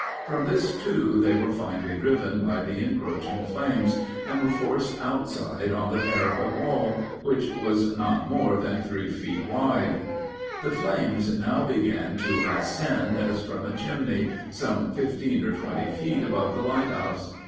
From this, too, they were finally driven by the encroaching flames, and were forced outside on the parapet wall, which was not more than three feet wide. [Illustration: ATTACK ON THE LIGHTHOUSE.] The flames now began to ascend as from a chimney, some fifteen or twenty feet above the lighthouse.